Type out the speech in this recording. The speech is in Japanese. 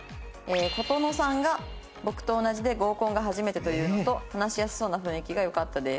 「琴之さんが僕と同じで合コンが初めてというのと話しやすそうな雰囲気がよかったです」